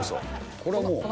これはもう。